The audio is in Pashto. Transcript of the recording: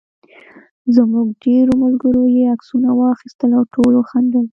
زموږ ډېرو ملګرو یې عکسونه واخیستل او ټولو خندل.